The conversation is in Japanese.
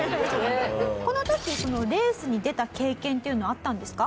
この時レースに出た経験っていうのはあったんですか？